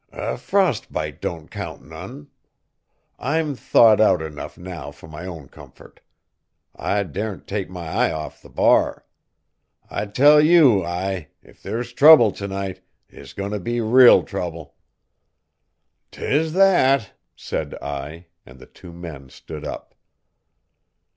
"A frostbite don't count none. I'm thawed out enough now fur my own comfort. I dar n't take my eye off the bar. I tell you, Ai, if there's trouble t' night, it's goin' t' be real trouble." "'T is that!" said Ai, and the two men stood up.